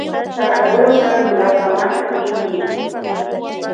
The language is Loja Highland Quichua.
Saraguro kanmi Loja markapa kiti.